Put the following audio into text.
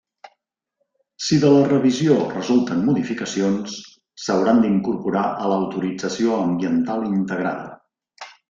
Si de la revisió resulten modificacions, s'hauran d'incorporar a l'autorització ambiental integrada.